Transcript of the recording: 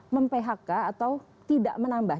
mem phk atau tidak menambah